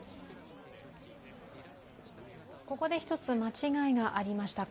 ここで１つ、間違いがありました。